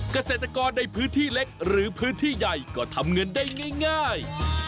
เกษตรกรในพื้นที่เล็กหรือพื้นที่ใหญ่ก็ทำเงินได้ง่าย